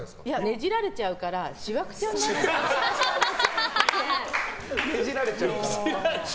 ねじられちゃうからしわくちゃになっちゃう。